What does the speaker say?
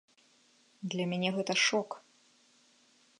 Для мяне гэта шок.